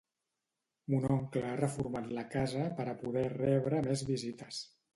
Mon oncle ha reformat la casa per a poder rebre més visites